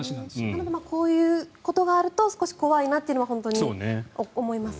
なのでこういうことがあると少し怖いなというのは本当に思います。